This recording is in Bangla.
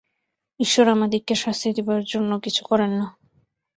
ঈশ্বর আমাদিগকে শাস্তি দিবার জন্য কিছু করেন না।